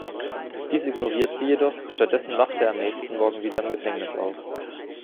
Dies ignoriert sie jedoch, stattdessen wacht er am nächsten Morgen wieder im Gefängnis auf.